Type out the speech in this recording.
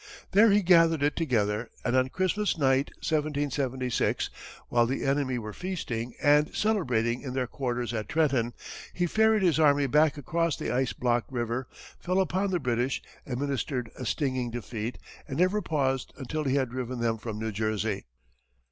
There he gathered it together, and on Christmas night, 1776, while the enemy were feasting and celebrating in their quarters at Trenton, he ferried his army back across the ice blocked river, fell upon the British, administered a stinging defeat, and never paused until he had driven them from New Jersey.